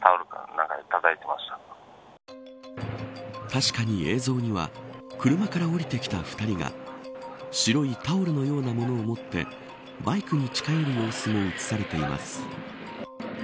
確かに映像には車から降りてきた２人が白いタオルのようなものを持ってバイクに近寄る様子が映されています。